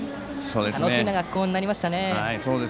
楽しみな学校になりましたね。